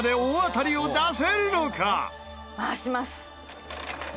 「回します」